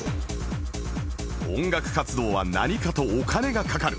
音楽活動は何かとお金がかかる